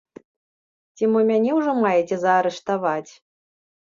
Ці мо мяне ўжо маеце заарыштаваць?